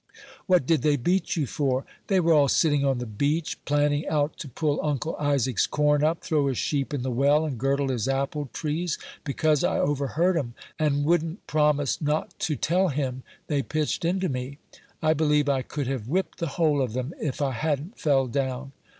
"What did they beat you for?" "They were all sitting on the beach, planning out to pull Uncle Isaac's corn up, throw his sheep in the well, and girdle his apple trees; because I overheard 'em, and wouldn't promise not to tell him, they pitched into me. I believe I could have whipped the whole of them, if I hadn't fell down."